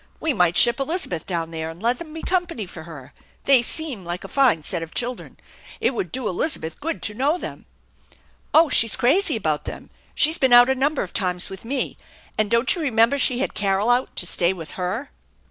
We might ship Elizabeth down there and let 'em be company for her. They seem like a fine set of children. It would do Elizabeth good to know them." " Oh, she's crazy about them. She's been out a number of times with me, and don't you remember she had Carol out to stay with her?"